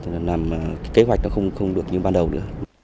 là làm kế hoạch nó không được như ban đầu nữa